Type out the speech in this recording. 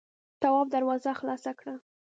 تواب دروازه خلاصه کړه.